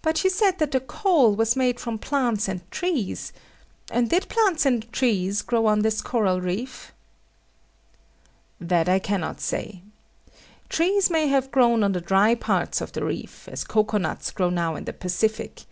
But you said that the coal was made from plants and trees, and did plants and trees grow on this coral reef? That I cannot say. Trees may have grown on the dry parts of the reef, as cocoa nuts grow now in the Pacific.